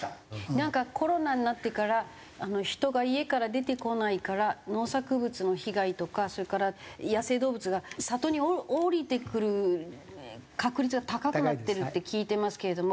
なんかコロナになってから人が家から出てこないから農作物の被害とかそれから野生動物が里に下りてくる確率が高くなってるって聞いてますけれども。